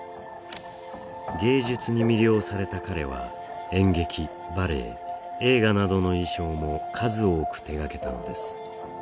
芸術に魅了された彼は演劇バレエ映画などの衣装も数多く手がけたのです